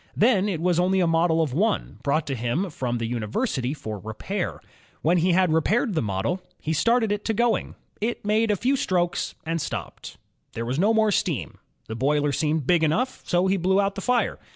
Then it was only a model of one, brought to him from the uni versity for repair. When he had repaired the model, he started it to going. It made a few strokes and stopped. 14 INVENTIONS OF STEAM AND ELECTRIC POWER There was no more steam. The boiler seemed big enough, so he blew up the fire.